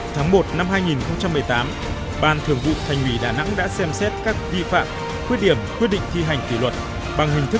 tháng một năm hai nghìn một mươi tám ban thường vụ thành ủy đà nẵng đã xem xét các vi phạm quyết điểm quyết định thi hành tỷ luật